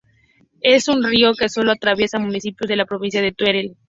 Es un río que solo atraviesa municipios de la provincia de Teruel.